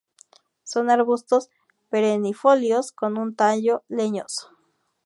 Son arbustos perennifolios con un tallo leñoso.